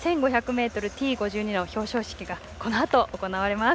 ｍＴ５２の表彰式が、このあと行われます。